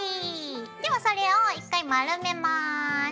ではそれを１回丸めます。